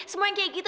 semuanya kayak gitu